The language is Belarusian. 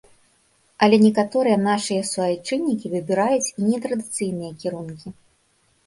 Але некаторыя нашыя суайчыннікі выбіраюць і нетрадыцыйныя кірункі.